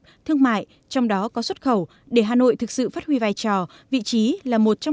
thương mại trong đó có xuất khẩu để hà nội thực sự phát huy vai trò vị trí là một trong